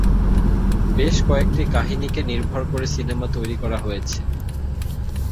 বেশ কয়েকটি কাহিনীকে নির্ভর করে সিনেমা তৈরি করা হয়েছে।